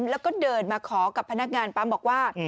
แล้วก็เดินมาขอกับพนักงานปั๊มบอกว่า